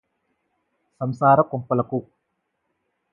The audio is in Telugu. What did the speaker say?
సంసార కొంపలకు